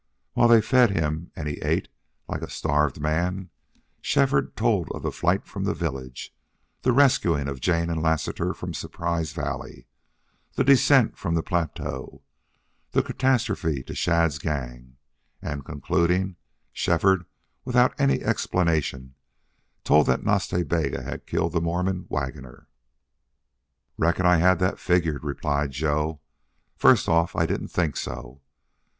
While they fed him and he ate like a starved man Shefford told of the flight from the village, the rescuing of Jane and Lassiter from Surprise Valley, the descent from the plateau, the catastrophe to Shadd's gang and, concluding, Shefford, without any explanation, told that Nas Ta Bega had killed the Mormon Waggoner. "Reckon I had that figured," replied Joe. "First off. I didn't think so....